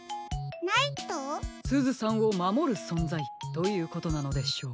すずさんをまもるそんざいということなのでしょう。